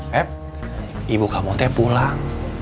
pep ibu kamu teh pulang